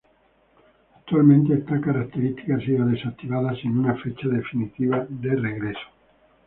Actualmente esta característica ha sido desactivada sin una fecha definida de regreso.